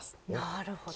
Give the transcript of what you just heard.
なるほど。